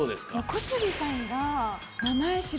小杉さんが。